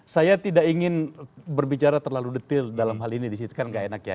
saya tidak ingin berbicara terlalu detail dalam hal ini disitu kan nggak enak ya